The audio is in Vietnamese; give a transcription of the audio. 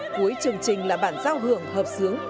cuối chương trình là bản giao hưởng hợp sướng